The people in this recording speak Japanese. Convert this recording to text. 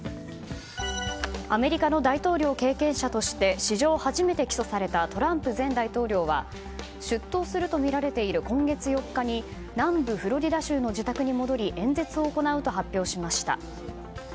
アメリカの大統領経験者として史上初めて起訴されたトランプ前大統領は出頭するとみられている今月４日に南部フロリダ州の自宅に戻り演説を行うと発表しました。